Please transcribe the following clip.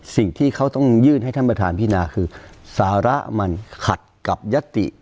สิ่งที่เขาต้องยื่นให้ท่านประธานพินาคือสาระมันขัดกับยัตติ